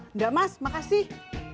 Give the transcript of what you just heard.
enggak mas makasih